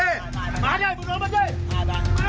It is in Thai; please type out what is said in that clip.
มีประวัติศาสตร์ที่สุดในประวัติศาสตร์